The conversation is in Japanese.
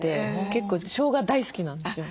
結構しょうが大好きなんですよ。